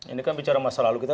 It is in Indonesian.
ini kan bicara masa lalu kita